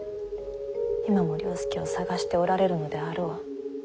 今も了助を捜しておられるのであろう。